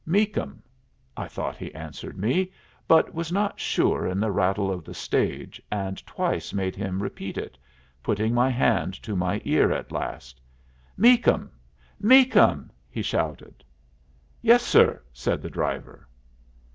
"Meakum," I thought he answered me, but was not sure in the rattle of the stage, and twice made him repeat it, putting my hand to my ear at last. "Meakum! Meakum!" he shouted. "Yes, sir," said the driver.